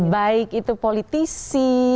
baik itu politisi